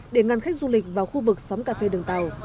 để ngăn khách du lịch vào khu vực xóm cà phê đường tàu